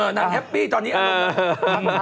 หนักแฮปปี้ตอนนี้อืม